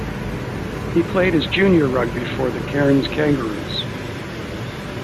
He played his junior rugby for the Cairns Kangaroos.